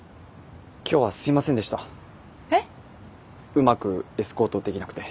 うまくエスコートできなくて。